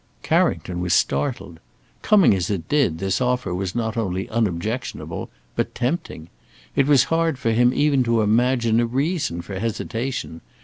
Carrington was startled. Coming as it did, this offer was not only unobjectionable, but tempting. It was hard for him even to imagine a reason for hesitation.